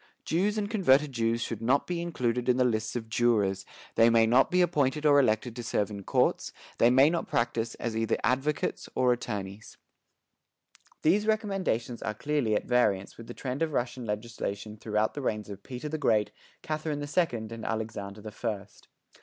Jews and converted Jews should not be included in the lists of jurors; they may not be appointed or elected to serve in courts, they may not practice as either advocates or attorneys." These recommendations are clearly at variance with the trend of Russian legislation throughout the reigns of Peter the Great, Catherine the Second and Alexander the First.